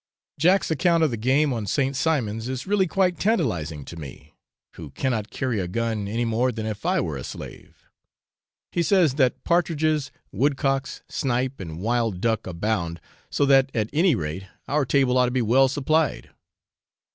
Jack's account of the game on St. Simon's is really quite tantalising to me, who cannot carry a gun any more than if I were a slave. He says that partridges, woodcocks, snipe, and wild duck abound, so that, at any rate, our table ought to be well supplied.